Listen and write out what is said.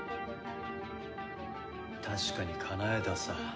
確かにかなえたさ。